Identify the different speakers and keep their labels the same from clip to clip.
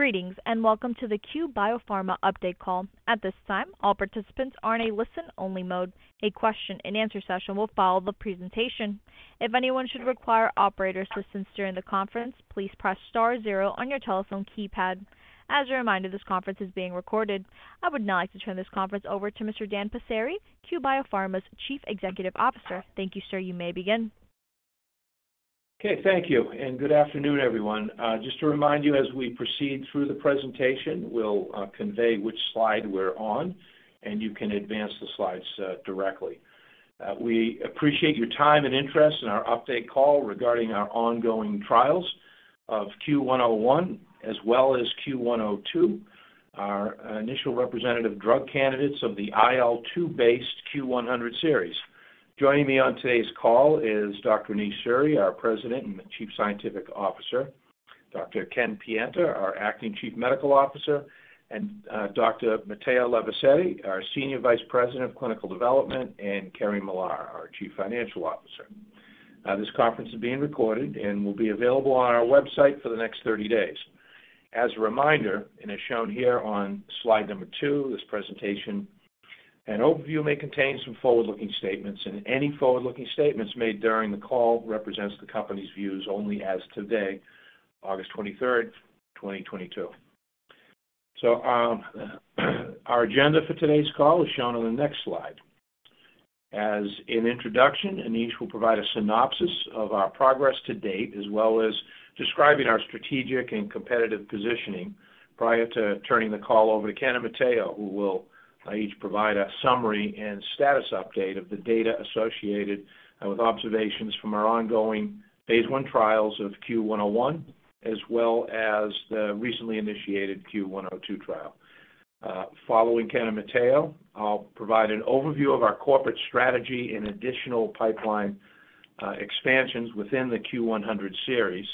Speaker 1: Greetings, and welcome to the Cue Biopharma update call. At this time, all participants are in a listen-only mode. A question-and-answer session will follow the presentation. If anyone should require operator assistance during the conference, please press star zero on your telephone keypad. As a reminder, this conference is being recorded. I would now like to turn this conference over to Mr. Dan Passeri, Cue Biopharma's Chief Executive Officer. Thank you, sir. You may begin.
Speaker 2: Okay. Thank you, and good afternoon, everyone. Just to remind you as we proceed through the presentation, we'll convey which slide we're on, and you can advance the slides directly. We appreciate your time and interest in our update call regarding our ongoing trials of CUE-101 as well as CUE-102, our initial representative drug candidates of the IL-2 based CUE-100 series. Joining me on today's call is Dr. Anish Suri, our President and Chief Scientific Officer, Dr. Ken Pienta, our Acting Chief Medical Officer, and Dr. Matteo Levisetti, our Senior Vice President of Clinical Development, and Kerri-Ann Millar, our Chief Financial Officer. This conference is being recorded and will be available on our website for the next 30 days. As a reminder, and as shown here on slide number 2, this presentation and overview may contain some forward-looking statements, and any forward-looking statements made during the call represents the company's views only as today, August 23, 2022. Our agenda for today's call is shown on the next slide. As an introduction, Anish will provide a synopsis of our progress to date, as well as describing our strategic and competitive positioning prior to turning the call over to Ken and Matteo, who will each provide a summary and status update of the data associated with observations from our ongoing phase I trials of CUE-101, as well as the recently initiated CUE-102 trial. Following Ken and Matteo, I'll provide an overview of our corporate strategy and additional pipeline expansions within the CUE-100 series.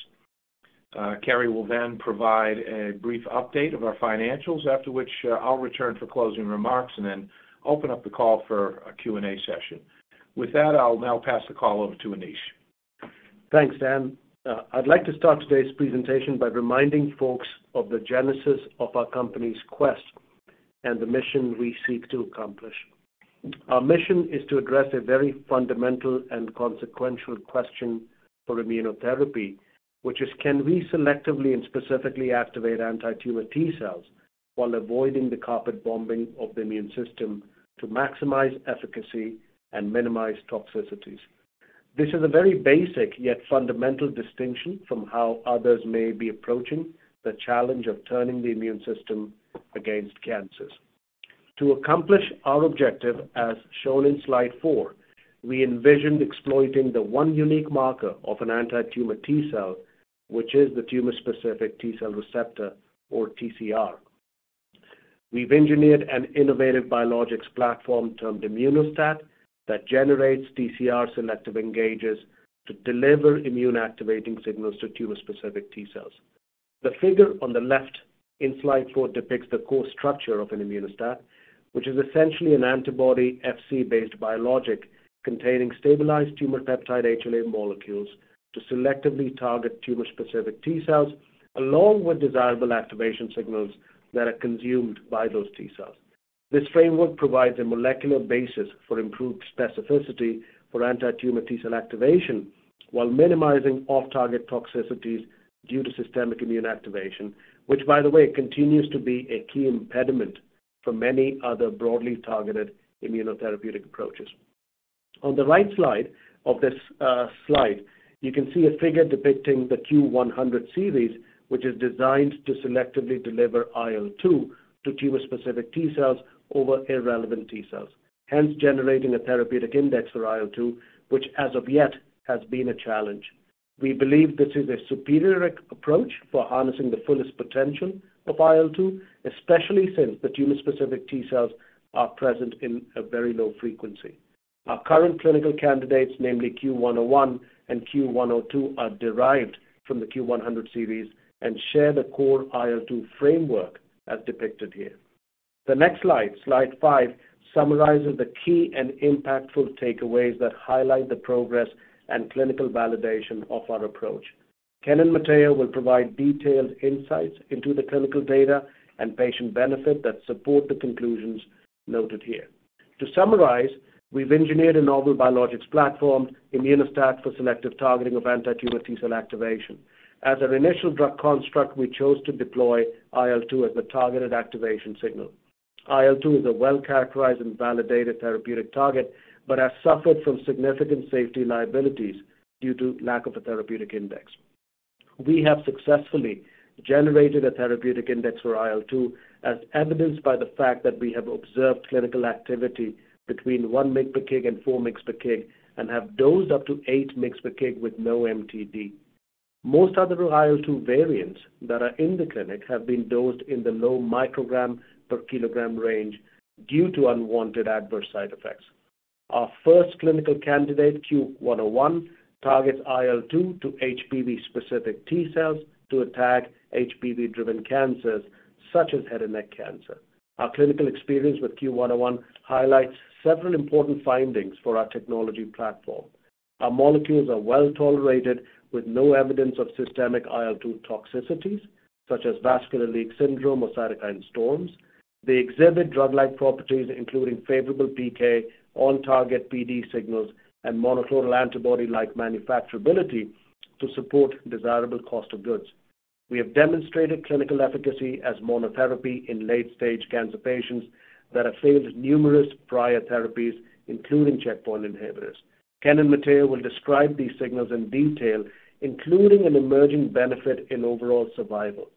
Speaker 2: Kerri-Ann Millar will then provide a brief update of our financials, after which, I'll return for closing remarks and then open up the call for a Q&A session. With that, I'll now pass the call over to Anish Suri.
Speaker 3: Thanks, Dan. I'd like to start today's presentation by reminding folks of the genesis of our company's quest and the mission we seek to accomplish. Our mission is to address a very fundamental and consequential question for immunotherapy, which is, can we selectively and specifically activate antitumor T cells while avoiding the carpet bombing of the immune system to maximize efficacy and minimize toxicities? This is a very basic yet fundamental distinction from how others may be approaching the challenge of turning the immune system against cancers. To accomplish our objective, as shown in slide four, we envisioned exploiting the one unique marker of an antitumor T cell, which is the tumor-specific T cell receptor or TCR. We've engineered an innovative biologics platform termed Immuno-STAT that generates TCR selective engagers to deliver immune activating signals to tumor-specific T cells. The figure on the left in slide 4 depicts the core structure of an Immuno-STAT, which is essentially an antibody Fc-based biologic containing stabilized tumor peptide HLA molecules to selectively target tumor-specific T cells along with desirable activation signals that are consumed by those T cells. This framework provides a molecular basis for improved specificity for antitumor T cell activation while minimizing off-target toxicities due to systemic immune activation, which, by the way, continues to be a key impediment for many other broadly targeted immunotherapeutic approaches. On the right side of this slide, you can see a figure depicting the CUE-100 series, which is designed to selectively deliver IL-2 to tumor-specific T cells over irrelevant T cells, hence generating a therapeutic index for IL-2, which as of yet has been a challenge. We believe this is a superior approach for harnessing the fullest potential of IL-2, especially since the tumor-specific T cells are present in a very low frequency. Our current clinical candidates, namely CUE-101 and CUE-102, are derived from the CUE-100 series and share the core IL-2 framework as depicted here. The next slide 5, summarizes the key and impactful takeaways that highlight the progress and clinical validation of our approach. Ken and Matteo will provide detailed insights into the clinical data and patient benefit that support the conclusions noted here. To summarize, we've engineered a novel biologics platform, Immuno-STAT, for selective targeting of antitumor T cell activation. As an initial drug construct, we chose to deploy IL-2 as the targeted activation signal. IL-2 is a well-characterized and validated therapeutic target but has suffered from significant safety liabilities due to lack of a therapeutic index. We have successfully generated a therapeutic index for IL-2 as evidenced by the fact that we have observed clinical activity between 1 mg/kg and 4 mg/kg and have dosed up to 8 mg/kg with no MTD. Most other IL-2 variants that are in the clinic have been dosed in the low microgram per kilogram range due to unwanted adverse side effects. Our first clinical candidate, CUE-101, targets IL-2 to HPV specific T cells to attack HPV-driven cancers such as head and neck cancer. Our clinical experience with CUE-101 highlights several important findings for our technology platform. Our molecules are well-tolerated with no evidence of systemic IL-2 toxicities, such as vascular leak syndrome or cytokine storms. They exhibit drug-like properties, including favorable PK, on-target PD signals, and monoclonal antibody-like manufacturability to support desirable cost of goods. We have demonstrated clinical efficacy as monotherapy in late-stage cancer patients that have failed numerous prior therapies, including checkpoint inhibitors. Ken and Matteo will describe these signals in detail, including an emerging benefit in overall survival.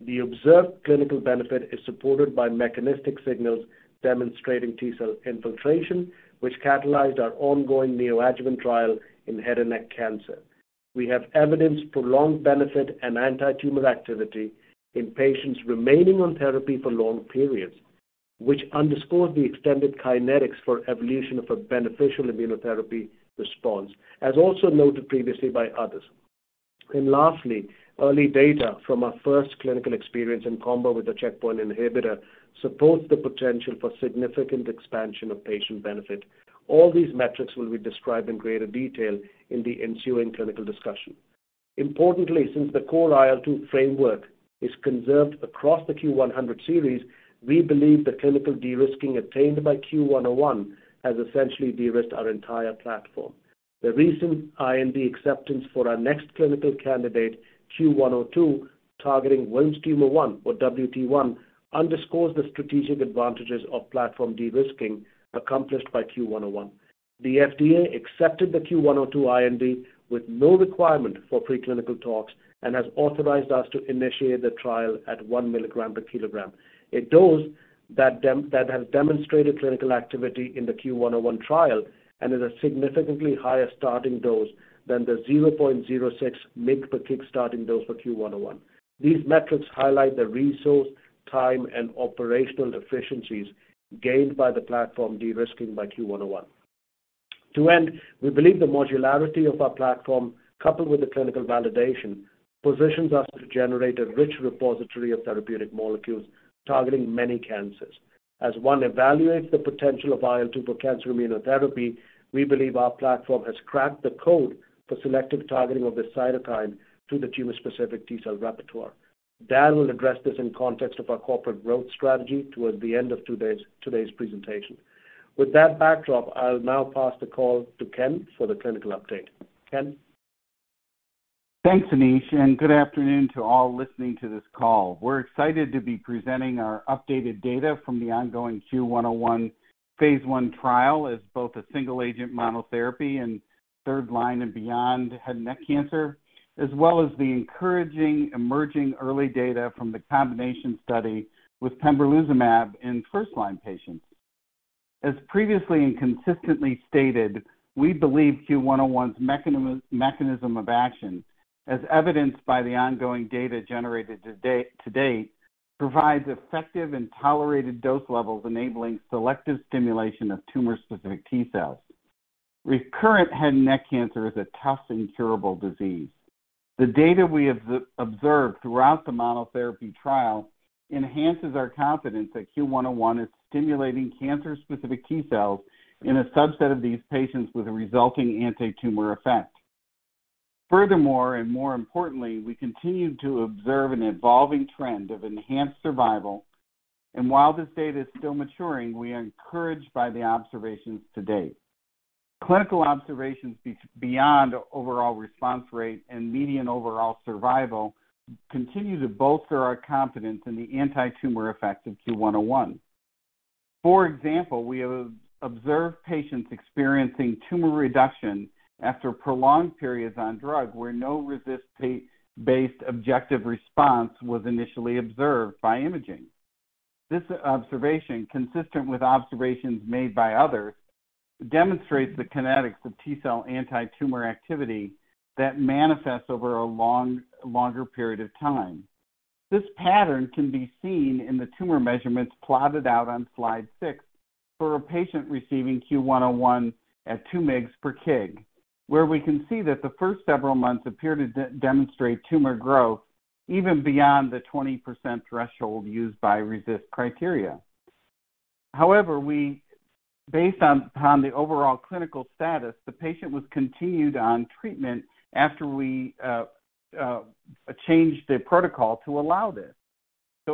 Speaker 3: The observed clinical benefit is supported by mechanistic signals demonstrating T cell infiltration, which catalyzed our ongoing neoadjuvant trial in head and neck cancer. We have evidence prolonged benefit and antitumor activity in patients remaining on therapy for long periods, which underscores the extended kinetics for evolution of a beneficial immunotherapy response, as also noted previously by others. Lastly, early data from our first clinical experience in combo with a checkpoint inhibitor supports the potential for significant expansion of patient benefit. All these metrics will be described in greater detail in the ensuing clinical discussion. Importantly, since the core IL-2 framework is conserved across the CUE-100 series, we believe the clinical de-risking obtained by CUE-101 has essentially de-risked our entire platform. The recent IND acceptance for our next clinical candidate, CUE-102, targeting Wilms' tumor 1, or WT1, underscores the strategic advantages of platform de-risking accomplished by CUE-101. The FDA accepted the CUE-102 IND with no requirement for preclinical talks and has authorized us to initiate the trial at 1 mg per kilogram, a dose that has demonstrated clinical activity in the CUE-101 trial and is a significantly higher starting dose than the 0.06 mg per kg starting dose for CUE-101. These metrics highlight the resource, time, and operational efficiencies gained by the platform de-risking by CUE-101. To end, we believe the modularity of our platform, coupled with the clinical validation, positions us to generate a rich repository of therapeutic molecules targeting many cancers. As one evaluates the potential of IL-2 for cancer immunotherapy, we believe our platform has cracked the code for selective targeting of this cytokine to the tumor-specific T cell repertoire. Dan will address this in context of our corporate growth strategy towards the end of today's presentation. With that backdrop, I'll now pass the call to Ken for the clinical update. Ken?
Speaker 4: Thanks, Anish, and good afternoon to all listening to this call. We're excited to be presenting our updated data from the ongoing CUE-101 phase I trial as both a single-agent monotherapy and third line and beyond head and neck cancer, as well as the encouraging emerging early data from the combination study with pembrolizumab in first-line patients. As previously and consistently stated, we believe CUE-101's mechanism of action, as evidenced by the ongoing data generated to date, provides effective and tolerated dose levels enabling selective stimulation of tumor-specific T cells. Recurrent head and neck cancer is a tough and curable disease. The data we have observed throughout the monotherapy trial enhances our confidence that CUE-101 is stimulating cancer-specific T cells in a subset of these patients with a resulting antitumor effect. Furthermore, and more importantly, we continue to observe an evolving trend of enhanced survival. While this data is still maturing, we are encouraged by the observations to date. Clinical observations beyond overall response rate and median overall survival continue to bolster our confidence in the antitumor effects of CUE-101. For example, we have observed patients experiencing tumor reduction after prolonged periods on drug where no RECIST-based objective response was initially observed by imaging. This observation, consistent with observations made by others, demonstrates the kinetics of T cell antitumor activity that manifests over a longer period of time. This pattern can be seen in the tumor measurements plotted out on slide 6 for a patient receiving CUE-101 at 2 mg per kg, where we can see that the first several months appear to demonstrate tumor growth even beyond the 20% threshold used by RECIST criteria. However, we... Based on the overall clinical status, the patient was continued on treatment after we changed the protocol to allow this.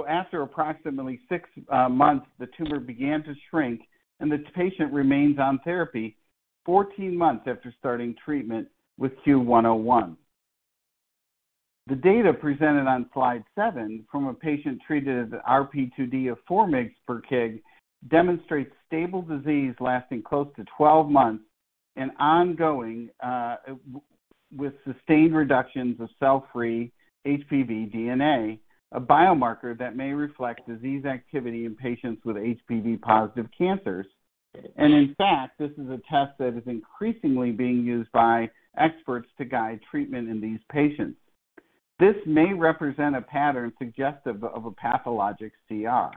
Speaker 4: After approximately 6 months, the tumor began to shrink, and the patient remains on therapy 14 months after starting treatment with CUE-101. The data presented on slide 7 from a patient treated RP2D of 4 mg per kg demonstrates stable disease lasting close to 12 months and ongoing with sustained reductions of cell-free HPV DNA, a biomarker that may reflect disease activity in patients with HPV-positive cancers. In fact, this is a test that is increasingly being used by experts to guide treatment in these patients. This may represent a pattern suggestive of a pathologic CR.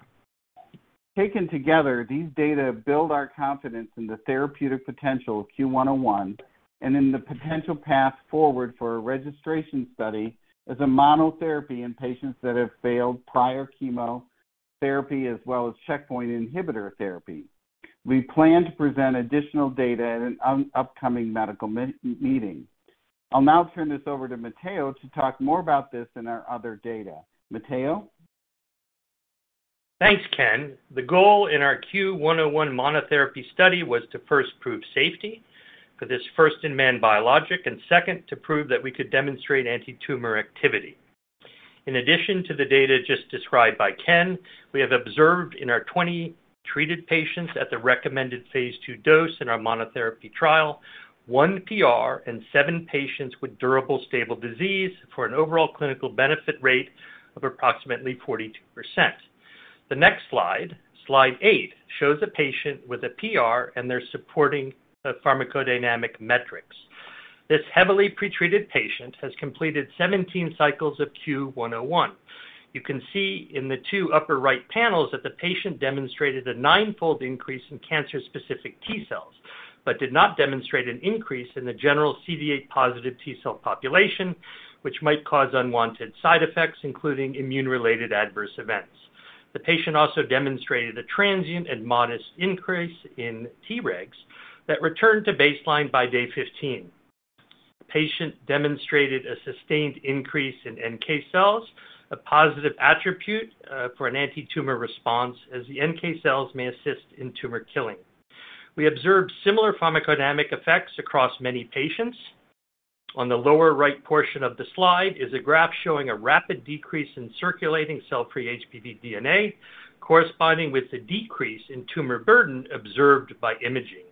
Speaker 4: Taken together, these data build our confidence in the therapeutic potential of CUE-101 and in the potential path forward for a registration study as a monotherapy in patients that have failed prior chemotherapy as well as checkpoint inhibitor therapy. We plan to present additional data at an upcoming medical meeting. I'll now turn this over to Matteo to talk more about this and our other data. Matteo.
Speaker 5: Thanks, Ken. The goal in our CUE-101 monotherapy study was to first prove safety for this first in-man biologic, and second, to prove that we could demonstrate antitumor activity. In addition to the data just described by Ken, we have observed in our 20 treated patients at the recommended phase II dose in our monotherapy trial, 1 PR and 7 patients with durable stable disease for an overall clinical benefit rate of approximately 42%. The next slide 8, shows a patient with a PR and their supporting pharmacodynamic metrics. This heavily pretreated patient has completed 17 cycles of CUE-101. You can see in the 2 upper right panels that the patient demonstrated a 9-fold increase in cancer-specific T cells but did not demonstrate an increase in the general CD8 positive T cell population, which might cause unwanted side effects, including immune-related adverse events. The patient also demonstrated a transient and modest increase in Tregs that returned to baseline by day 15. The patient demonstrated a sustained increase in NK cells, a positive attribute, for an antitumor response, as the NK cells may assist in tumor killing. We observed similar pharmacodynamic effects across many patients. On the lower right portion of the slide is a graph showing a rapid decrease in circulating cell-free HPV DNA corresponding with the decrease in tumor burden observed by imaging.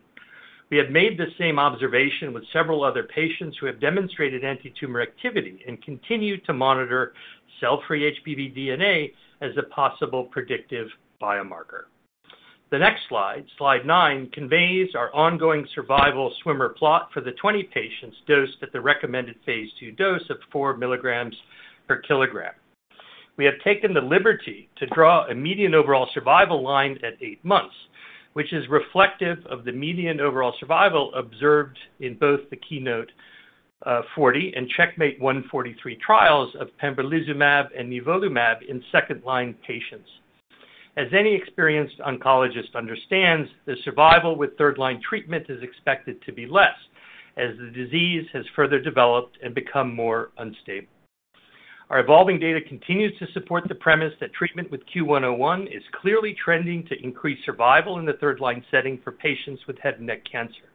Speaker 5: We have made the same observation with several other patients who have demonstrated antitumor activity and continue to monitor cell-free HPV DNA as a possible predictive biomarker. The next slide 9, conveys our ongoing survival swimmer plot for the 20 patients dosed at the recommended phase II dose of 4 mg per kilogram. We have taken the liberty to draw a median overall survival line at 8 months, which is reflective of the median overall survival observed in both the KEYNOTE-040 and CheckMate 143 trials of pembrolizumab and nivolumab in second-line patients. As any experienced oncologist understands, the survival with third-line treatment is expected to be less as the disease has further developed and become more unstable. Our evolving data continues to support the premise that treatment with CUE-101 is clearly trending to increase survival in the third-line setting for patients with head and neck cancer.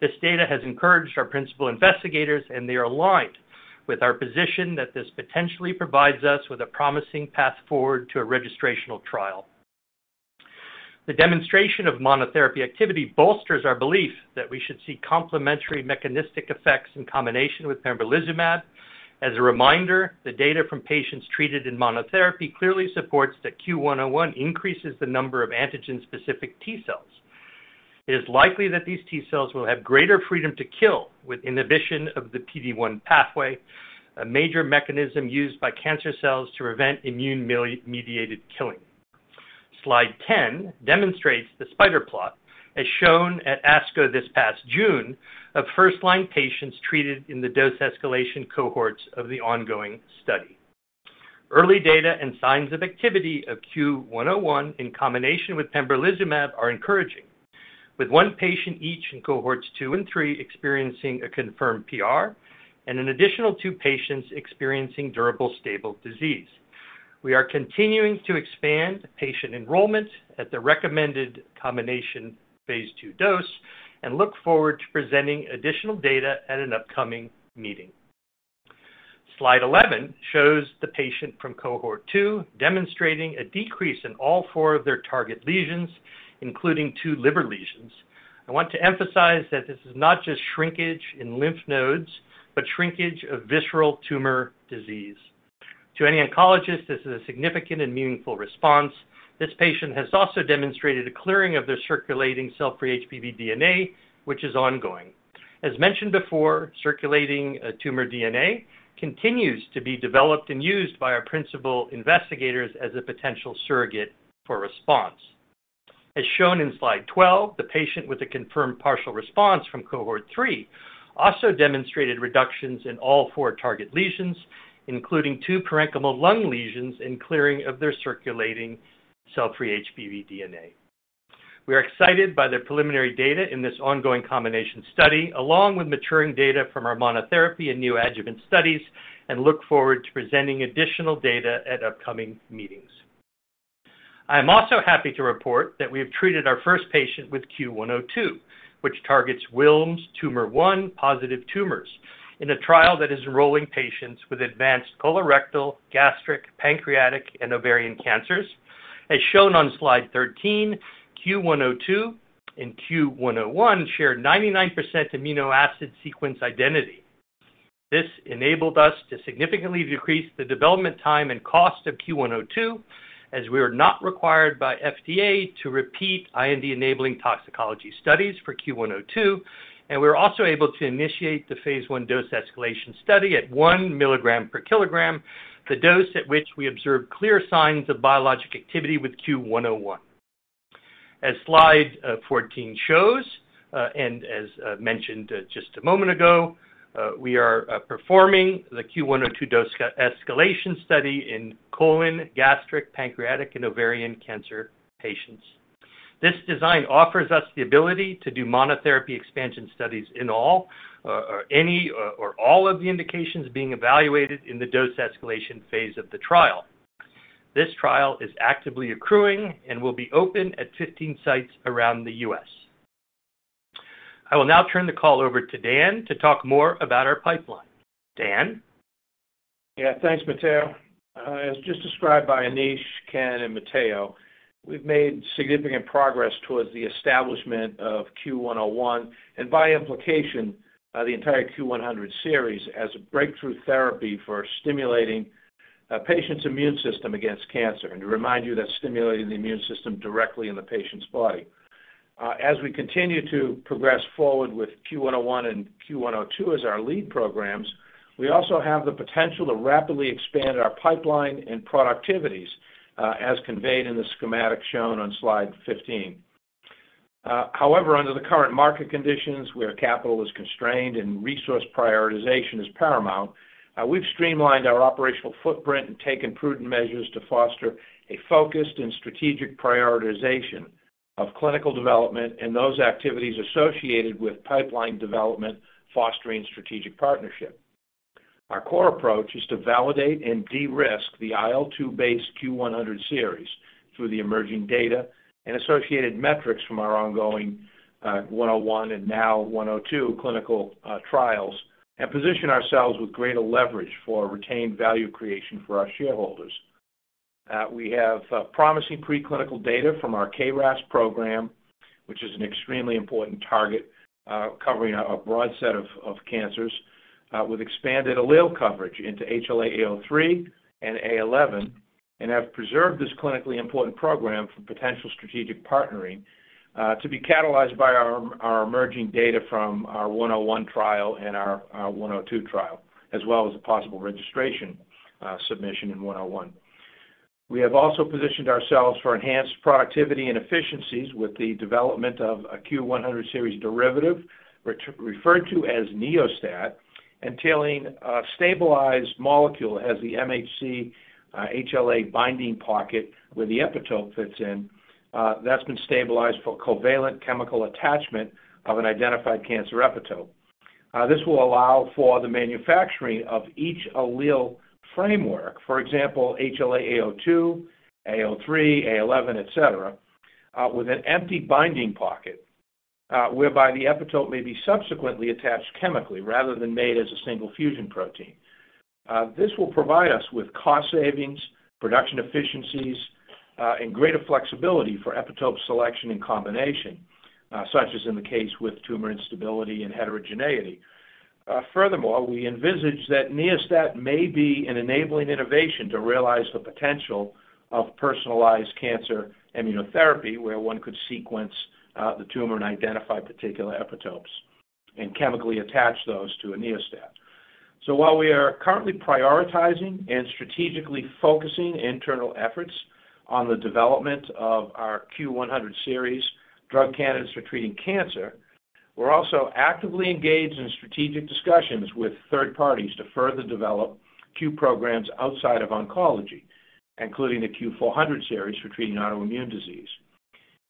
Speaker 5: This data has encouraged our principal investigators, and they are aligned with our position that this potentially provides us with a promising path forward to a registrational trial. The demonstration of monotherapy activity bolsters our belief that we should see complementary mechanistic effects in combination with pembrolizumab. As a reminder, the data from patients treated in monotherapy clearly supports that CUE-101 increases the number of antigen-specific T cells. It is likely that these T cells will have greater freedom to kill with inhibition of the PD-1 pathway, a major mechanism used by cancer cells to prevent immune-mediated killing. Slide 10 demonstrates the spider plot as shown at ASCO this past June of first-line patients treated in the dose escalation cohorts of the ongoing study. Early data and signs of activity of CUE-101 in combination with pembrolizumab are encouraging. With 1 patient each in cohorts 2 and 3 experiencing a confirmed PR and an additional 2 patients experiencing durable stable disease. We are continuing to expand patient enrollment at the recommended combination phase II dose and look forward to presenting additional data at an upcoming meeting. Slide 11 shows the patient from cohort 2 demonstrating a decrease in all 4 of their target lesions, including 2 liver lesions. I want to emphasize that this is not just shrinkage in lymph nodes, but shrinkage of visceral tumor disease. To any oncologist, this is a significant and meaningful response. This patient has also demonstrated a clearing of their circulating cell-free HPV DNA, which is ongoing. As mentioned before, circulating, tumor DNA continues to be developed and used by our principal investigators as a potential surrogate for response. As shown in slide 12, the patient with a confirmed partial response from cohort 3 also demonstrated reductions in all 4 target lesions, including 2 parenchymal lung lesions and clearing of their circulating cell-free HPV DNA. We are excited by the preliminary data in this ongoing combination study, along with maturing data from our monotherapy and neoadjuvant studies, and look forward to presenting additional data at upcoming meetings. I am also happy to report that we have treated our first patient with CUE-102, which targets Wilms' tumor 1-positive tumors in a trial that is enrolling patients with advanced colorectal, gastric, pancreatic, and ovarian cancers. As shown on slide 13, CUE-102 and CUE-101 share 99% amino acid sequence identity. This enabled us to significantly decrease the development time and cost of CUE-102, as we were not required by FDA to repeat IND-enabling toxicology studies for CUE-102. We were also able to initiate the phase I dose escalation study at 1 mg per kilogram, the dose at which we observed clear signs of biologic activity with CUE-101. As slide 14 shows, and as mentioned just a moment ago, we are performing the CUE-102 dose escalation study in colon, gastric, pancreatic, and ovarian cancer patients. This design offers us the ability to do monotherapy expansion studies in all or any of the indications being evaluated in the dose escalation phase of the trial. This trial is actively accruing and will be open at 15 sites around the U.S. I will now turn the call over to Dan to talk more about our pipeline. Dan?
Speaker 2: Yeah. Thanks, Matteo. As just described by Anish, Ken, and Matteo, we've made significant progress towards the establishment of CUE-101 and by implication, the entire CUE-100 series as a breakthrough therapy for stimulating a patient's immune system against cancer. To remind you that's stimulating the immune system directly in the patient's body. As we continue to progress forward with CUE-101 and CUE-102 as our lead programs, we also have the potential to rapidly expand our pipeline and productivity, as conveyed in the schematic shown on slide 15. However under the current market conditions where capital is constrained and resource prioritization is paramount, we've streamlined our operational footprint and taken prudent measures to foster a focused and strategic prioritization of clinical development and those activities associated with pipeline development fostering strategic partnership. Our core approach is to validate and de-risk the IL-2 based CUE-100 series through the emerging data and associated metrics from our ongoing, 101 and now 102 clinical trials and position ourselves with greater leverage for retained value creation for our shareholders. We have promising preclinical data from our KRAS program, which is an extremely important target, covering a broad set of cancers, with expanded allele coverage into HLA-A*03 and HLA-A*11, and have preserved this clinically important program for potential strategic partnering, to be catalyzed by our emerging data from our CUE-101 trial and our CUE-102 trial, as well as a possible registration submission in CUE-101. We have also positioned ourselves for enhanced productivity and efficiencies with the development of a CUE-100 series derivative, which referred to as Neo-STAT, entailing a stabilized molecule as the MHC, HLA binding pocket where the epitope fits in, that's been stabilized for covalent chemical attachment of an identified cancer epitope. This will allow for the manufacturing of each allele framework, for example, HLA-A*02, HLA-A*03, HLA-A*11, et cetera, with an empty binding pocket, whereby the epitope may be subsequently attached chemically rather than made as a single fusion protein. This will provide us with cost savings, production efficiencies, and greater flexibility for epitope selection and combination, such as in the case with tumor instability and heterogeneity. Furthermore, we envisage that Neo-STAT may be an enabling innovation to realize the potential of personalized cancer immunotherapy, where one could sequence the tumor and identify particular epitopes and chemically attach those to a Neo-STAT. While we are currently prioritizing and strategically focusing internal efforts on the development of our CUE-100 series drug candidates for treating cancer, we're also actively engaged in strategic discussions with third parties to further develop CUE programs outside of oncology, including the CUE-400 series for treating autoimmune disease.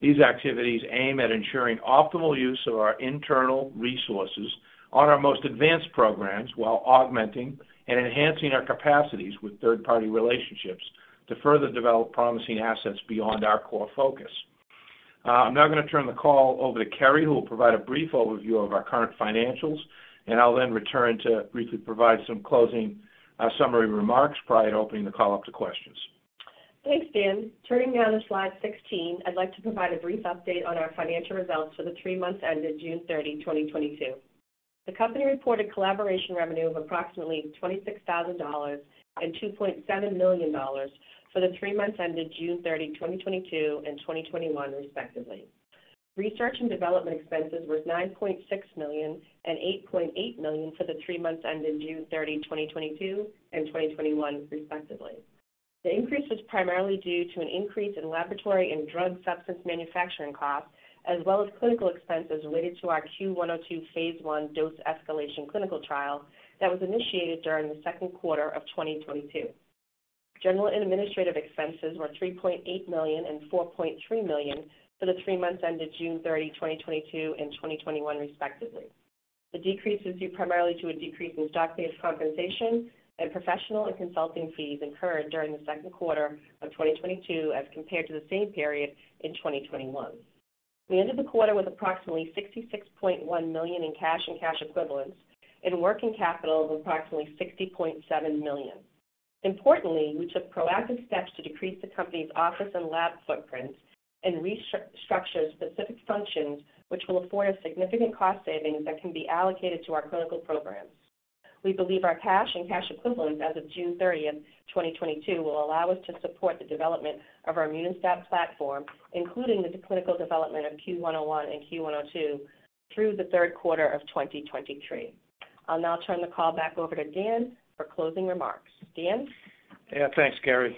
Speaker 2: These activities aim at ensuring optimal use of our internal resources on our most advanced programs while augmenting and enhancing our capacities with third-party relationships to further develop promising assets beyond our core focus. I'm now gonna turn the call over to Kerri, who will provide a brief overview of our current financials, and I'll then return to briefly provide some closing summary remarks prior to opening the call up to questions.
Speaker 6: Thanks, Dan. Turning now to slide 16, I'd like to provide a brief update on our financial results for the three months ended June 30, 2022. The company reported collaboration revenue of approximately $26,000 and $2.7 million for the three months ended June 30, 2022 and 2021 respectively. Research and development expenses were $9.6 million and $8.8 million for the three months ended June 30, 2022 and 2021 respectively. The increase was primarily due to an increase in laboratory and drug substance manufacturing costs, as well as clinical expenses related to our CUE-102 phase I dose escalation clinical trial that was initiated during the second quarter of 2022. General and administrative expenses were $3.8 million and $4.3 million for the three months ended June 30, 2022 and 2021 respectively. The decrease is due primarily to a decrease in stock-based compensation and professional and consulting fees incurred during the second quarter of 2022 as compared to the same period in 2021. We ended the quarter with approximately $66.1 million in cash and cash equivalents and working capital of approximately $60.7 million. Importantly, we took proactive steps to decrease the company's office and lab footprints and restructured specific functions which will afford us significant cost savings that can be allocated to our clinical programs. We believe our cash and cash equivalents as of June 30th, 2022 will allow us to support the development of our Immuno-STAT platform, including the clinical development of CUE-101 and CUE-102 through the third quarter of 2023. I'll now turn the call back over to Dan for closing remarks. Dan?
Speaker 2: Yeah. Thanks, Kerri-Ann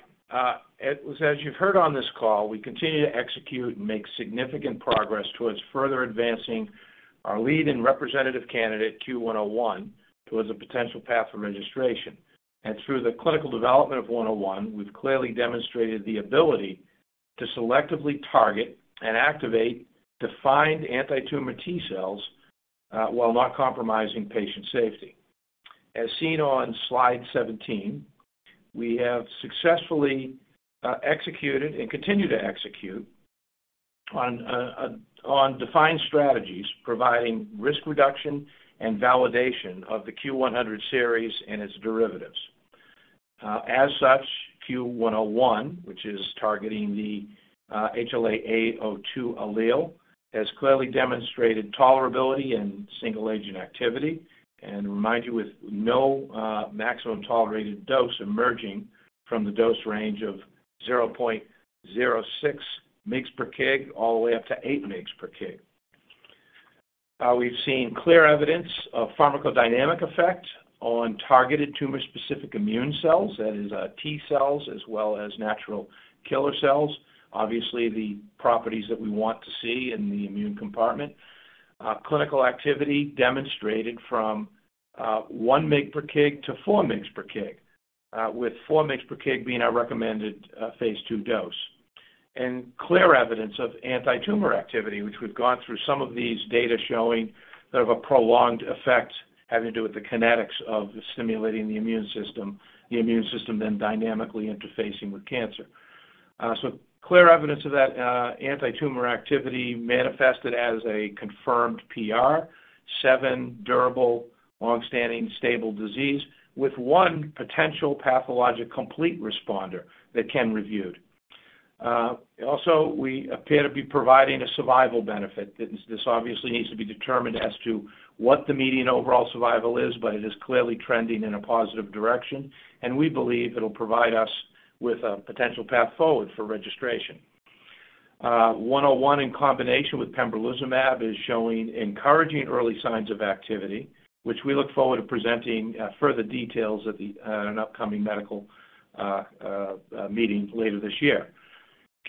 Speaker 2: Millar. As you've heard on this call, we continue to execute and make significant progress towards further advancing our lead and representative candidate CUE-101 towards a potential path for registration. Through the clinical development of 101, we've clearly demonstrated the ability to selectively target and activate defined antitumor T cells while not compromising patient safety. As seen on slide 17, we have successfully executed and continue to execute on defined strategies providing risk reduction and validation of the CUE-100 series and its derivatives. As such, CUE-101, which is targeting the HLA-A*02 allele, has clearly demonstrated tolerability and single-agent activity, and remind you with no maximum tolerated dose emerging from the dose range of 0.06 mg/kg all the way up to 8 mg/kg. We've seen clear evidence of pharmacodynamic effect on targeted tumor-specific immune cells, that is, T cells as well as natural killer cells. Obviously, the properties that we want to see in the immune compartment. Clinical activity demonstrated from 1 mg per kg to 4 mg per kg, with 4 mg per kg being our recommended phase II dose. Clear evidence of antitumor activity, which we've gone through some of these data showing sort of a prolonged effect having to do with the kinetics of stimulating the immune system, the immune system then dynamically interfacing with cancer. Clear evidence of that antitumor activity manifested as a confirmed PR, seven durable long-standing stable disease with one potential pathologic complete responder that Ken reviewed. We appear to be providing a survival benefit. This obviously needs to be determined as to what the median overall survival is, but it is clearly trending in a positive direction, and we believe it'll provide us with a potential path forward for registration. CUE-101 in combination with pembrolizumab is showing encouraging early signs of activity, which we look forward to presenting further details at an upcoming medical meeting later this year.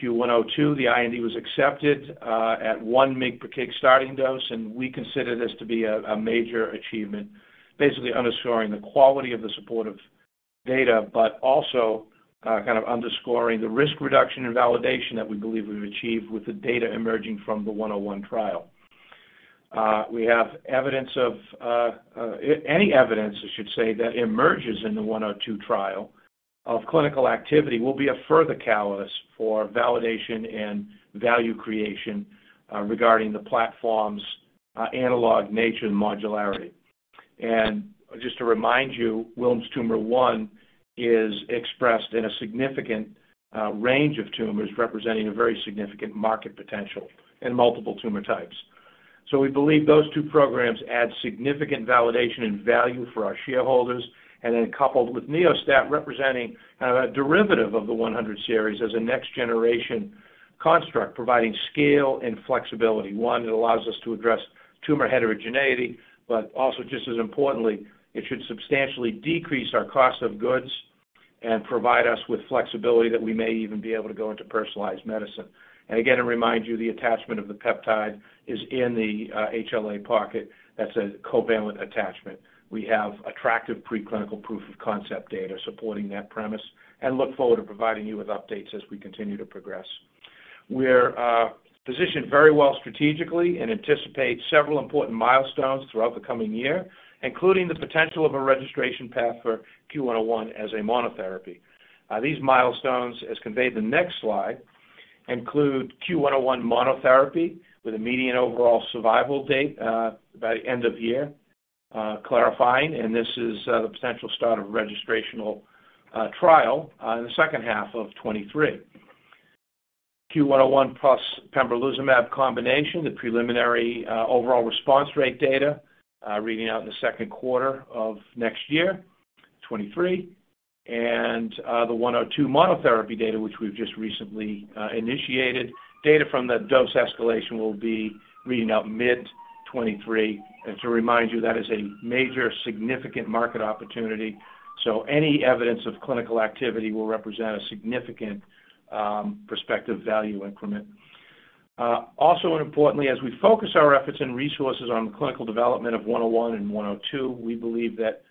Speaker 2: CUE-102, the IND was accepted at 1 mg per kg starting dose, and we consider this to be a major achievement, basically underscoring the quality of the supportive data, but also kind of underscoring the risk reduction and validation that we believe we've achieved with the data emerging from the CUE-101 trial. Any evidence I should say that emerges in the 102 trial of clinical activity will be a further catalyst for validation and value creation regarding the platform's analog nature and modularity. Just to remind you, Wilms' tumor 1 is expressed in a significant range of tumors representing a very significant market potential in multiple tumor types. We believe those two programs add significant validation and value for our shareholders, and then coupled with Neo-STAT representing kind of a derivative of the 100 series as a next generation construct providing scale and flexibility, one that allows us to address tumor heterogeneity, but also just as importantly, it should substantially decrease our cost of goods and provide us with flexibility that we may even be able to go into personalized medicine. Again, to remind you, the attachment of the peptide is in the HLA pocket. That's a covalent attachment. We have attractive preclinical proof of concept data supporting that premise and look forward to providing you with updates as we continue to progress. We're positioned very well strategically and anticipate several important milestones throughout the coming year, including the potential of a registration path for CUE-101 as a monotherapy. These milestones as conveyed on the next slide include CUE-101 monotherapy with a median overall survival data by end of year, clarifying, and this is the potential start of registrational trial in the second half of 2023. CUE-101 plus pembrolizumab combination, the preliminary overall response rate data reading out in the second quarter of next year, 2023. The 102 monotherapy data, which we've just recently initiated. Data from the dose escalation will be reading out mid-2023. To remind you, that is a major significant market opportunity, so any evidence of clinical activity will represent a significant, prospective value increment. Also and importantly, as we focus our efforts and resources on the clinical development of CUE-101 and CUE-102, we believe that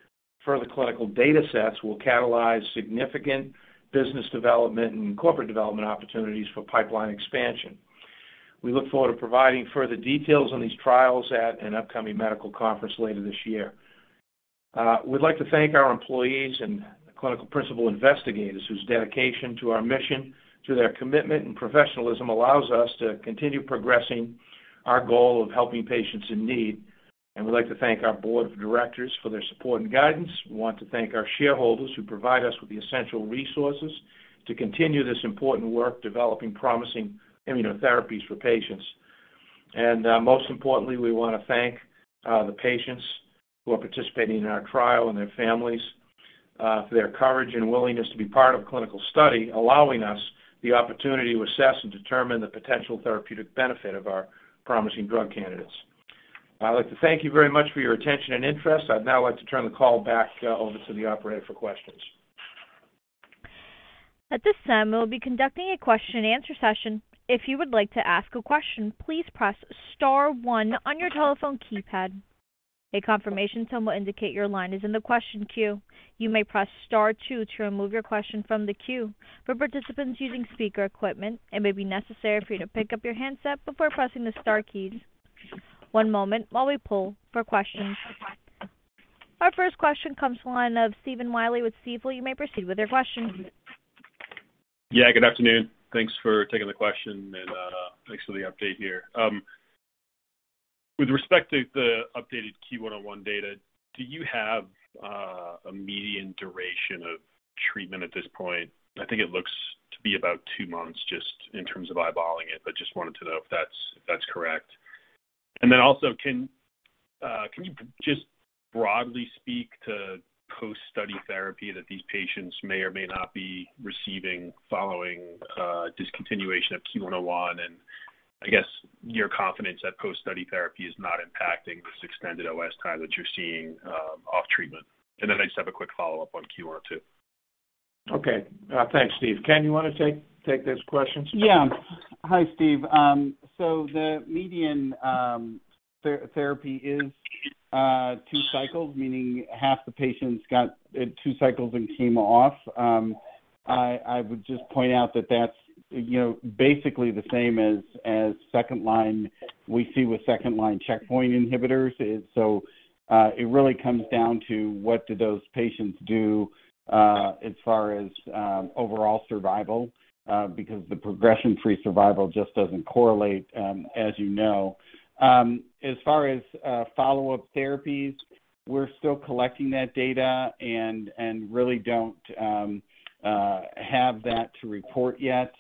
Speaker 2: further clinical data sets will catalyze significant business development and corporate development opportunities for pipeline expansion. We look forward to providing further details on these trials at an upcoming medical conference later this year. We'd like to thank our employees and clinical principal investigators whose dedication to our mission, through their commitment and professionalism, allows us to continue progressing our goal of helping patients in need. We'd like to thank our Board of Directors for their support and guidance. We want to thank our shareholders who provide us with the essential resources to continue this important work developing promising immunotherapies for patients. Most importantly, we wanna thank the patients who are participating in our trial and their families for their courage and willingness to be part of a clinical study, allowing us the opportunity to assess and determine the potential therapeutic benefit of our promising drug candidates. I'd like to thank you very much for your attention and interest. I'd now like to turn the call back over to the operator for questions.
Speaker 1: At this time, we'll be conducting a question-and-answer session. If you would like to ask a question, please press star one on your telephone keypad. A confirmation tone will indicate your line is in the question queue. You may press star two to remove your question from the queue. For participants using speaker equipment, it may be necessary for you to pick up your handset before pressing the star keys. One moment while we poll for questions. Our first question comes from the line of Stephen Willey with Stifel. You may proceed with your question.
Speaker 7: Yeah, good afternoon. Thanks for taking the question, and thanks for the update here. With respect to the updated CUE-101 data, do you have a median duration of treatment at this point? I think it looks to be about two months just in terms of eyeballing it, but just wanted to know if that's correct. Can you just broadly speak to post-study therapy that these patients may or may not be receiving following discontinuation of CUE-101? I guess your confidence that post-study therapy is not impacting this extended OS time that you're seeing off treatment. I just have a quick follow-up on CUE-102.
Speaker 2: Okay. Thanks, Steve. Ken, you wanna take those questions?
Speaker 4: Yeah. Hi, Steve. The median therapy is 2 cycles, meaning half the patients got 2 cycles and came off. I would just point out that that's, you know, basically the same as we see with second line checkpoint inhibitors. It really comes down to what do those patients do as far as overall survival because the progression-free survival just doesn't correlate as you know. As far as follow-up therapies, we're still collecting that data and really don't have that to report yet.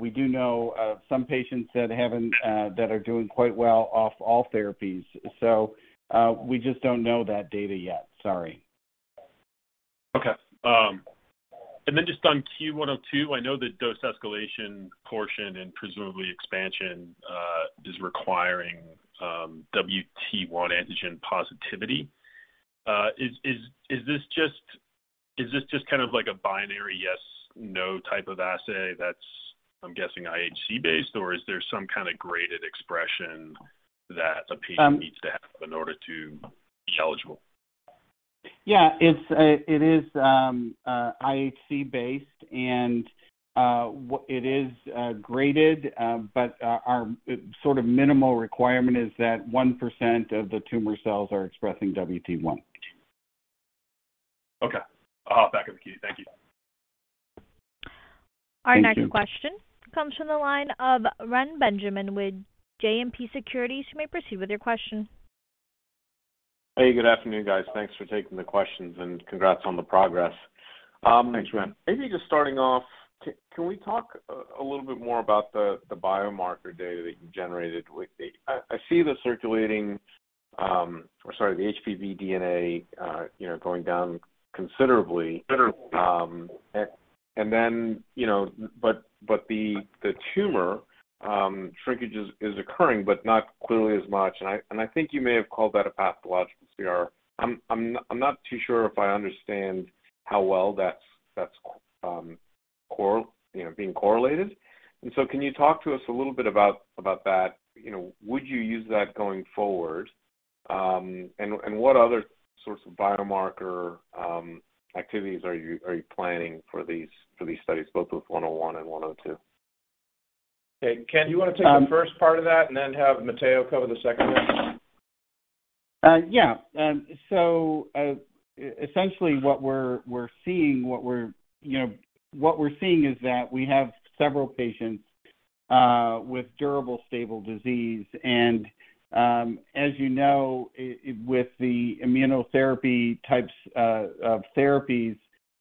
Speaker 4: We do know some patients that are doing quite well off all therapies. We just don't know that data yet. Sorry.
Speaker 7: Okay. Just on CUE-102, I know the dose escalation portion and presumably expansion is requiring WT1 antigen positivity. Is this just kind of like a binary yes, no type of assay that's, I'm guessing IHC based, or is there some kind of graded expression that a patient-
Speaker 4: Um-
Speaker 7: needs to have in order to be eligible?
Speaker 4: Yeah, it is IHC based and it is graded. Our sort of minimal requirement is that 1% of the tumor cells are expressing WT1.
Speaker 7: Okay. I'll hop back in the queue. Thank you.
Speaker 4: Thank you.
Speaker 1: Our next question comes from the line of Reni Benjamin with JMP Securities. You may proceed with your question.
Speaker 8: Hey, good afternoon, guys. Thanks for taking the questions, and congrats on the progress.
Speaker 2: Thanks, Reni.
Speaker 8: Maybe just starting off, can we talk a little bit more about the biomarker data that you generated with the? I see the circulating, or sorry, the HPV DNA, you know, going down considerably, and then, you know, but the tumor shrinkage is occurring, but not clearly as much. And I think you may have called that a pathological CR. I'm not too sure if I understand how well that's being correlated. Can you talk to us a little bit about that? You know, would you use that going forward? And what other sorts of biomarker activities are you planning for these studies, both with 101 and 102?
Speaker 2: Okay. Ken, do you wanna take the first part of that and then have Matteo cover the second one?
Speaker 4: Essentially what we're seeing is that we have several patients with durable stable disease. As you know, with the immunotherapy types of therapies,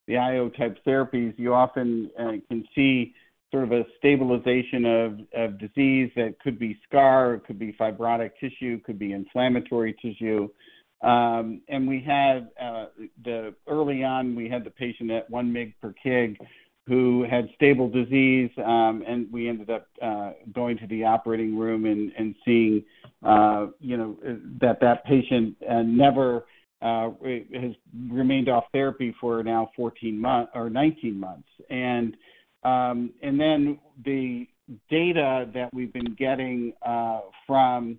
Speaker 4: the IO type therapies, you often can see sort of a stabilization of disease that could be scar, it could be fibrotic tissue, could be inflammatory tissue. Early on, we had the patient at 1 mg per kg who had stable disease, and we ended up going to the operating room and seeing, you know, that patient has remained off therapy for now 14 months or 19 months. Then the data that we've been getting from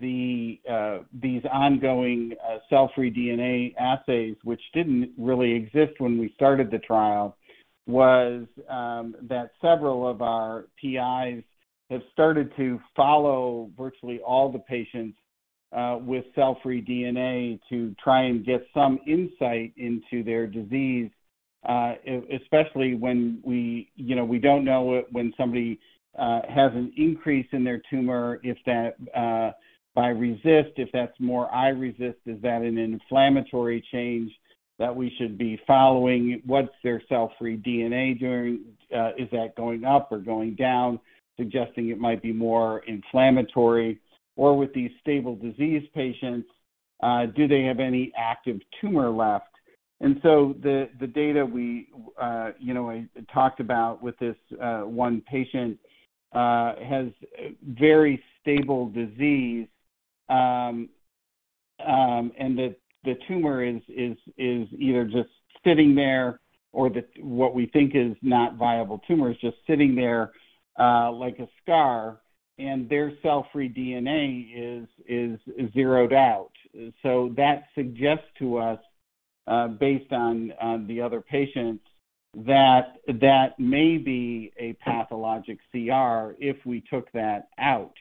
Speaker 4: these ongoing cell-free DNA assays, which didn't really exist when we started the trial, was that several of our PIs have started to follow virtually all the patients with cell-free DNA to try and get some insight into their disease, especially when we, you know, we don't know when somebody has an increase in their tumor, if that's more iRECIST, is that an inflammatory change that we should be following? What's their cell-free DNA doing? Is that going up or going down, suggesting it might be more inflammatory? Or with these stable disease patients, do they have any active tumor left? The data, you know, I talked about with this one patient has very stable disease. The tumor is either just sitting there or what we think is not viable tumor is just sitting there, like a scar, and their cell-free DNA is zeroed out. That suggests to us, based on the other patients that that may be a pathologic CR if we took that out.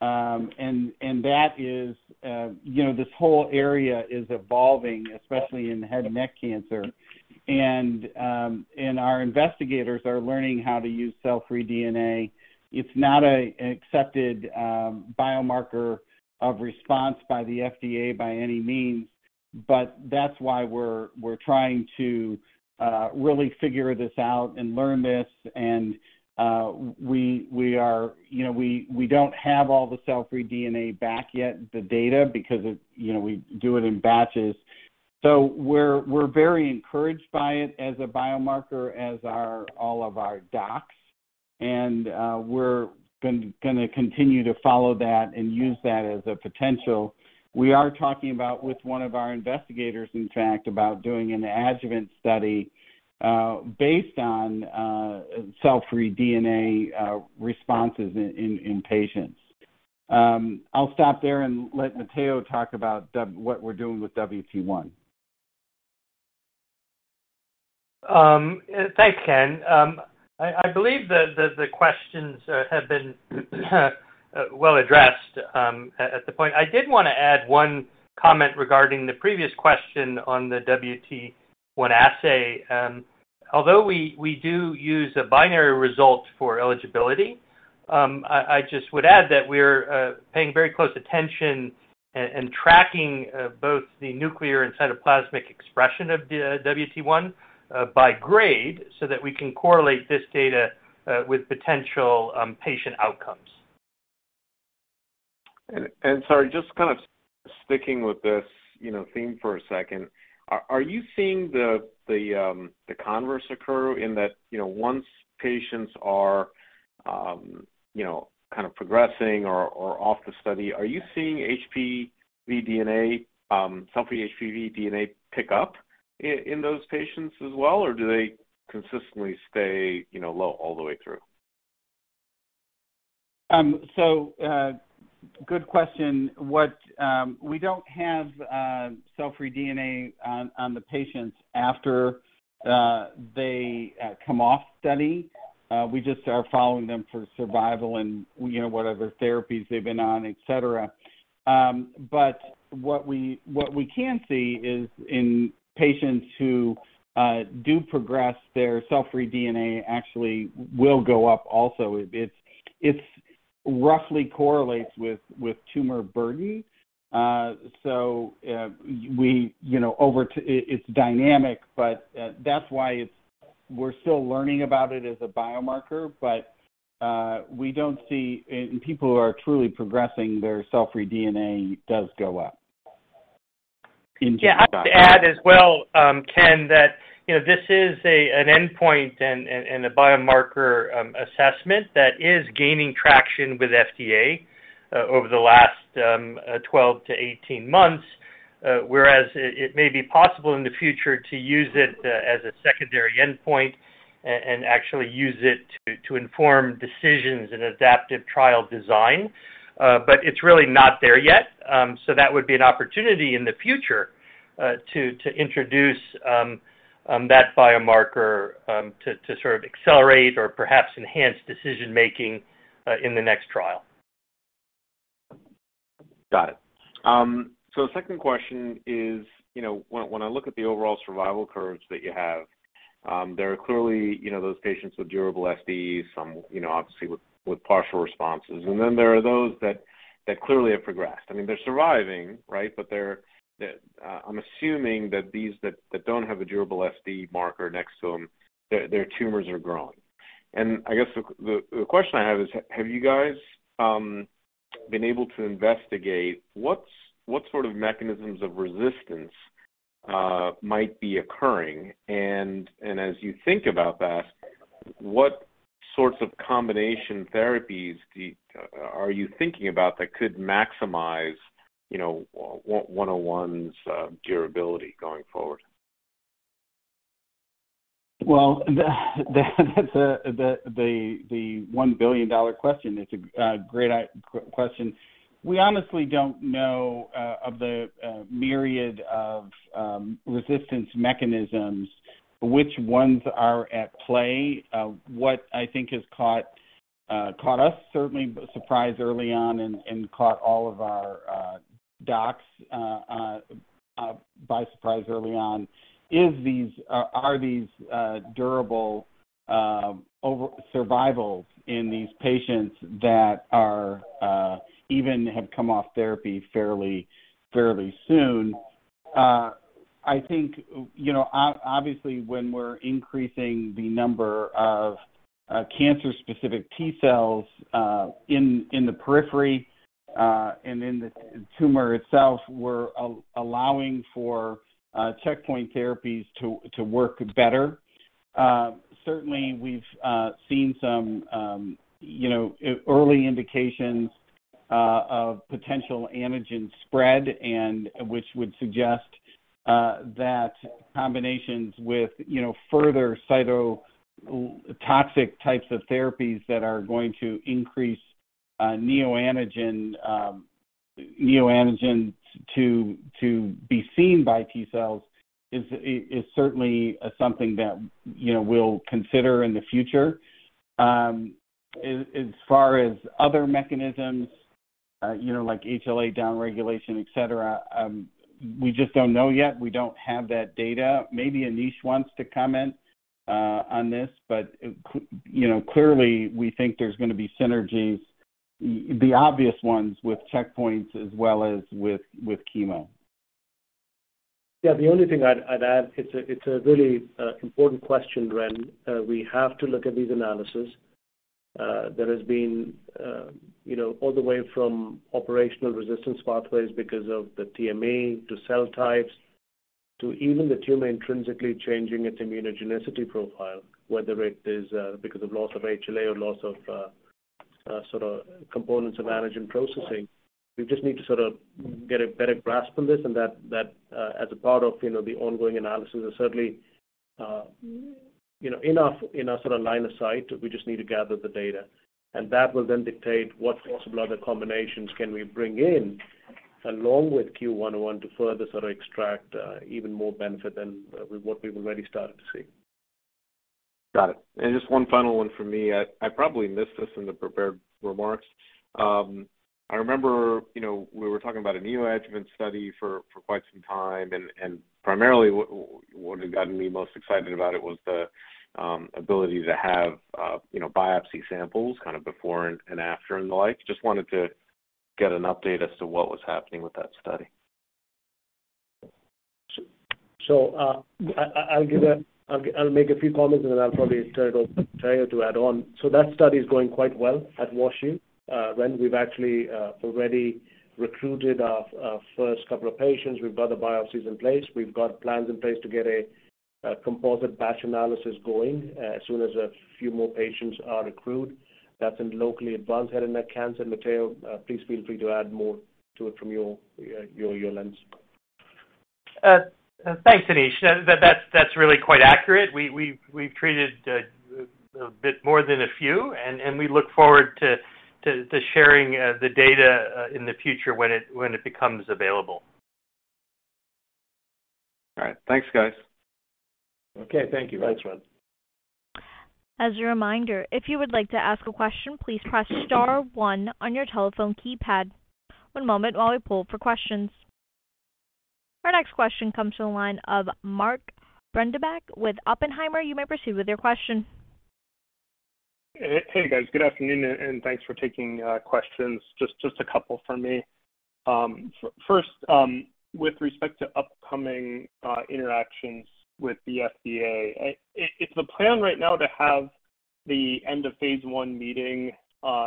Speaker 4: That is, you know, this whole area is evolving, especially in head and neck cancer. Our investigators are learning how to use cell-free DNA. It's not an accepted biomarker of response by the FDA by any means, but that's why we're trying to really figure this out and learn this. We are, you know, we don't have all the cell-free DNA back yet, the data, because it, you know, we do it in batches. We're very encouraged by it as a biomarker, as are all of our docs. We're gonna continue to follow that and use that as a potential. We are talking about with one of our investigators, in fact, about doing an adjuvant study, based on cell-free DNA responses in patients. I'll stop there and let Matteo talk about what we're doing with WT1.
Speaker 5: Thanks, Ken. I believe the questions have been well addressed at this point. I did wanna add one comment regarding the previous question on the WT1 assay. Although we do use a binary result for eligibility, I just would add that we're paying very close attention and tracking both the nuclear and cytoplasmic expression of the WT1 by grade so that we can correlate this data with potential patient outcomes.
Speaker 8: Sorry, just kind of sticking with this, you know, theme for a second. Are you seeing the converse occur in that, you know, once patients are, you know, kind of progressing or off the study, are you seeing HPV DNA, cell-free HPV DNA pick up in those patients as well, or do they consistently stay, you know, low all the way through?
Speaker 4: Good question. We don't have cell-free DNA on the patients after they come off study. We just are following them for survival and, you know, whatever therapies they've been on, et cetera. What we can see is in patients who do progress, their cell-free DNA actually will go up also. It roughly correlates with tumor burden. We, you know, it's dynamic, but that's why we're still learning about it as a biomarker. In people who are truly progressing, their cell-free DNA does go up into that.
Speaker 5: Yeah. I'd add as well, Ken, that, you know, this is an endpoint and a biomarker assessment that is gaining traction with FDA over the last 12-18 months, whereas it may be possible in the future to use it as a secondary endpoint and actually use it to inform decisions in adaptive trial design. It's really not there yet. That would be an opportunity in the future to introduce that biomarker to sort of accelerate or perhaps enhance decision-making in the next trial.
Speaker 8: Got it. Second question is, you know, when I look at the overall survival curves that you have, there are clearly, you know, those patients with durable SDs, some, you know, obviously with partial responses. There are those that clearly have progressed. I mean, they're surviving, right? I'm assuming that these that don't have a durable SD marker next to them, their tumors are growing. I guess the question I have is have you guys been able to investigate what sort of mechanisms of resistance might be occurring? As you think about that, what sorts of combination therapies are you thinking about that could maximize, you know, CUE-101's durability going forward?
Speaker 4: Well, the $1 billion question. It's a great question. We honestly don't know of the myriad of resistance mechanisms, which ones are at play. What I think has caught us certainly by surprise early on and caught all of our docs by surprise early on is these durable survivals in these patients that are even have come off therapy fairly soon. I think, you know, obviously, when we're increasing the number of cancer-specific T cells in the periphery and in the tumor itself, we're allowing for checkpoint therapies to work better. Certainly we've seen some, you know, early indications of potential antigen spread and which would suggest that combinations with, you know, further cytotoxic types of therapies that are going to increase neoantigen to be seen by T cells is certainly something that, you know, we'll consider in the future. As far as other mechanisms, you know, like HLA downregulation, et cetera, we just don't know yet. We don't have that data. Maybe Anish wants to comment on this, but you know, clearly we think there's gonna be synergies, the obvious ones with checkpoints as well as with chemo.
Speaker 3: Yeah. The only thing I'd add, it's a really important question, Ren. We have to look at these analysis. There has been, you know, all the way from operational resistance pathways because of the TME to cell types, to even the tumor intrinsically changing its immunogenicity profile, whether it is because of loss of HLA or loss of sort of components of antigen processing. We just need to sort of get a better grasp on this and that as a part of, you know, the ongoing analysis. Certainly, you know, in our sort of line of sight, we just need to gather the data. That will then dictate what possible other combinations can we bring in along with CUE-101 to further sort of extract even more benefit than with what we've already started to see.
Speaker 8: Got it. Just one final one for me. I probably missed this in the prepared remarks. I remember, you know, we were talking about a neoadjuvant study for quite some time, and primarily what had gotten me most excited about it was the ability to have, you know, biopsy samples kind of before and after and the like. Just wanted to get an update as to what was happening with that study.
Speaker 3: I'll make a few comments, and then I'll probably turn it over to Matteo to add on. That study is going quite well at Wash U, Ren. We've actually already recruited our first couple of patients. We've got the biopsies in place. We've got plans in place to get a composite batch analysis going, as soon as a few more patients are recruited. That's in locally advanced head and neck cancer. Matteo, please feel free to add more to it from your lens.
Speaker 5: Thanks, Anish. That's really quite accurate. We've treated a bit more than a few, and we look forward to sharing the data in the future when it becomes available.
Speaker 8: All right. Thanks, guys.
Speaker 4: Okay. Thank you.
Speaker 3: Thanks, Reni.
Speaker 1: As a reminder, if you would like to ask a question, please press star one on your telephone keypad. One moment while we pull for questions. Our next question comes from the line of Mark Breidenbach with Oppenheimer. You may proceed with your question.
Speaker 9: Hey, guys. Good afternoon, and thanks for taking questions. Just a couple from me. First, with respect to upcoming interactions with the FDA, is the plan right now to have the end of phase I meeting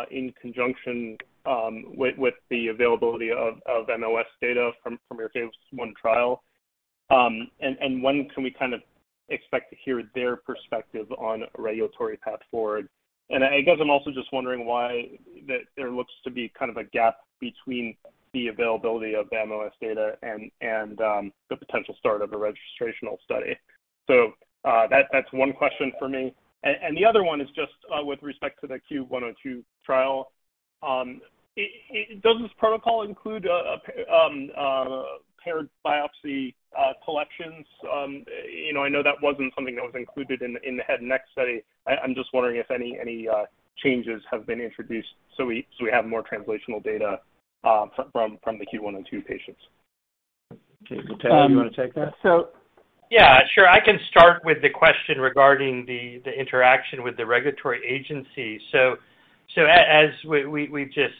Speaker 9: in conjunction with the availability of MOS data from your phase I trial? When can we kind of expect to hear their perspective on regulatory path forward? I guess I'm also just wondering why there looks to be kind of a gap between the availability of the MOS data and the potential start of a registrational study. That's one question for me. The other one is just with respect to the CUE-102 trial. Does this protocol include a paired biopsy collections? You know, I know that wasn't something that was included in the head and neck study. I'm just wondering if any changes have been introduced so we have more translational data from the CUE-102 patients.
Speaker 3: Okay. Matteo, do you wanna take that?
Speaker 5: Yeah, sure. I can start with the question regarding the interaction with the regulatory agency. As we just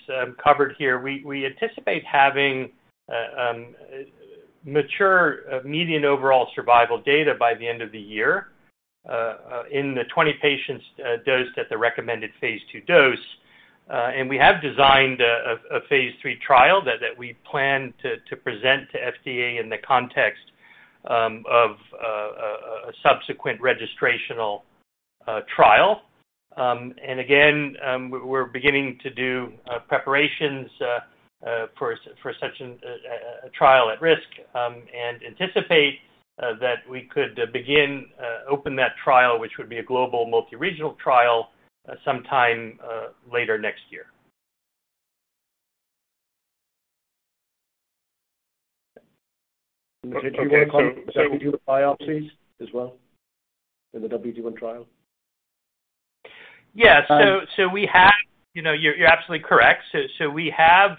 Speaker 5: covered here, we anticipate having mature median overall survival data by the end of the year in the 20 patients dosed at the recommended phase II dose. We have designed a phase III trial that we plan to present to FDA in the context of a subsequent registrational trial. We're beginning to do preparations for such an at-risk trial and anticipate that we could begin to open that trial, which would be a global multi-regional trial, sometime later next year.
Speaker 3: Did you wanna comment? You do the biopsies as well in the WT1 trial?
Speaker 5: Yeah.
Speaker 3: Um-
Speaker 5: We have. You know, you're absolutely correct. We have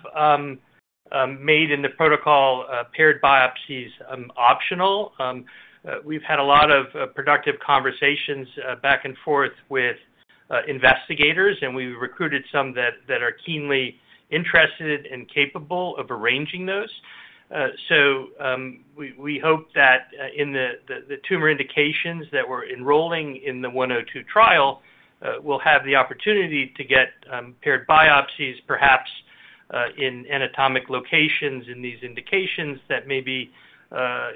Speaker 5: made in the protocol paired biopsies optional. We've had a lot of productive conversations back and forth with investigators, and we recruited some that are keenly interested and capable of arranging those. We hope that in the tumor indications that we're enrolling in the 102 trial, we'll have the opportunity to get paired biopsies, perhaps, in anatomic locations in these indications that may be,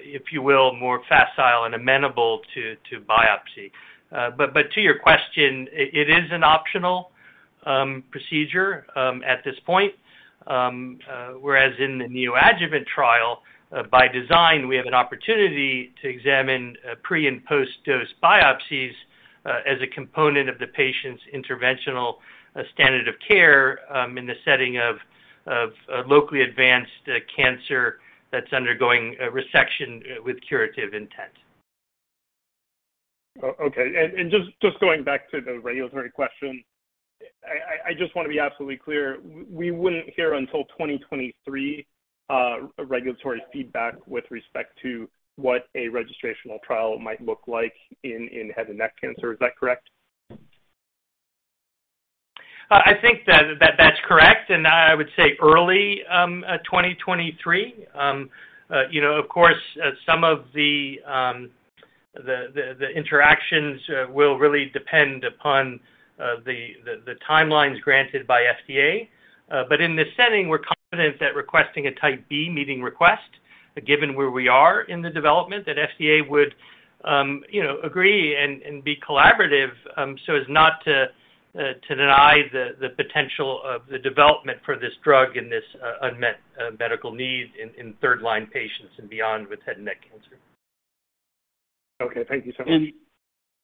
Speaker 5: if you will, more facile and amenable to biopsy. To your question, it is an optional procedure at this point. Whereas in the neoadjuvant trial, by design, we have an opportunity to examine pre- and post-dose biopsies as a component of the patient's interventional standard of care in the setting of locally advanced cancer that's undergoing a resection with curative intent.
Speaker 9: Okay. Just going back to the regulatory question, I just wanna be absolutely clear. We wouldn't hear until 2023 regulatory feedback with respect to what a registrational trial might look like in head and neck cancer. Is that correct?
Speaker 5: I think that's correct, and I would say early 2023. You know, of course, some of the interactions will really depend upon the timelines granted by FDA. But in this setting, we're confident that requesting a Type B meeting request, given where we are in the development, that FDA would agree and be collaborative, so as not to deny the potential of the development for this drug and this unmet medical need in third line patients and beyond with head and neck cancer.
Speaker 9: Okay. Thank you so much.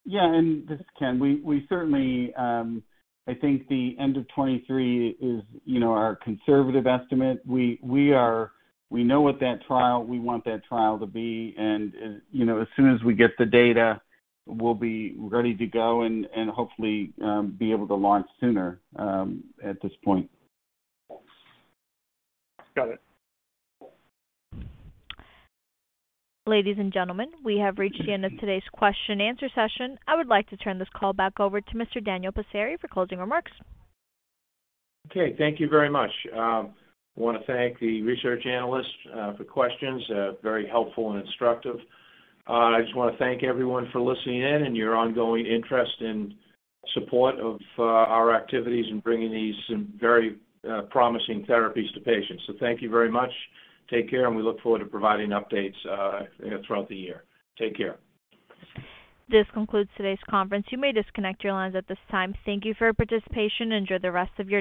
Speaker 4: Yeah, this is Ken. We certainly, I think, the end of 2023 is, you know, our conservative estimate. We know what that trial we want that trial to be. You know, as soon as we get the data, we'll be ready to go and hopefully be able to launch sooner at this point.
Speaker 9: Got it.
Speaker 1: Ladies and gentlemen, we have reached the end of today's question-and-answer session. I would like to turn this call back over to Mr. Daniel Passeri for closing remarks.
Speaker 2: Okay. Thank you very much. I wanna thank the research analysts for questions very helpful and instructive. I just wanna thank everyone for listening in and your ongoing interest and support of our activities in bringing these very promising therapies to patients. Thank you very much. Take care, and we look forward to providing updates throughout the year. Take care.
Speaker 1: This concludes today's conference. You may disconnect your lines at this time. Thank you for your participation. Enjoy the rest of your day.